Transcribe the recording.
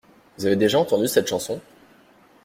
Vous avez déjà entendu cette chanson?